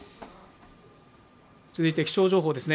続いて気象情報です。